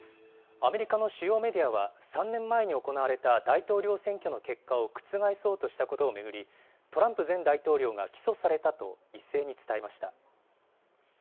アメリカの主要メディアは、３年前に行われた大統領選挙の結果を覆そうとしたことを巡り、トランプ前大統領が起訴されたと一斉に伝えました。